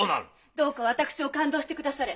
どうか私を勘当してくだされ。